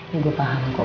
ya gue paham kok